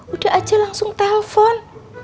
udah aja langsung telepon